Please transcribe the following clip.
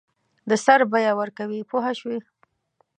د سر بیه ورکوي پوه شوې!.